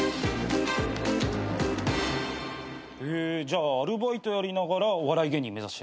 じゃあアルバイトやりながらお笑い芸人目指してる？